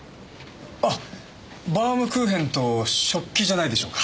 あバームクーヘンと食器じゃないでしょうか。